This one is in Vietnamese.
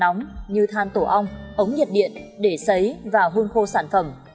với những sản phẩm nóng như than tổ ong ống nhiệt điện để sấy và hương khô sản phẩm